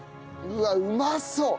うわっうまそう！